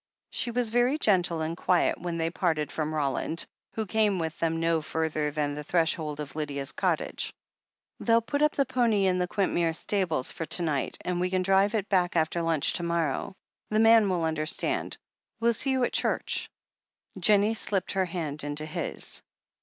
She was very gentle and quiet when they parted from Roland, who came with them no further than the threshold of Lydia's cottage. "They'll put up the pony in the Quintmere stables for to night, and we can drive it back after lunch to morrow. The man will understand. We'll see you at church. ..." Jennie slipped her hand into his.